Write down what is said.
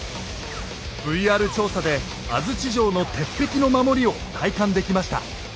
ＶＲ調査で安土城の鉄壁の守りを体感できました。